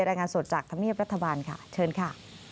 รายงานสดจากธรรมเนียบรัฐบาลค่ะเชิญค่ะ